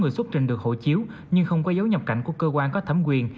người xuất trình được hộ chiếu nhưng không có dấu nhập cảnh của cơ quan có thẩm quyền